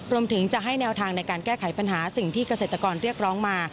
รวมถึงจะให้แนวทางในการแก้ไขปัญหาสิ่งที่เกษตรกรเรียกร้องมา